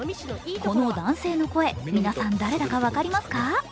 この男性の声、皆さん誰だか分かりますか？